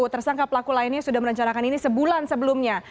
tersangka pelaku lainnya sudah merencanakan ini sebulan sebelumnya